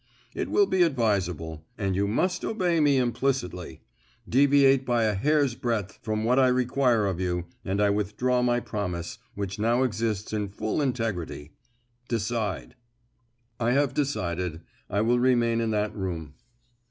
"It will be advisable, and you must obey me implicitly. Deviate by a hair's breadth from what I require of you, and I withdraw my promise, which now exists in full integrity. Decide." "I have decided. I will remain in that room."